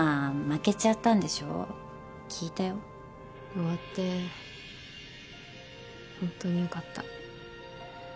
終わって本当によかった。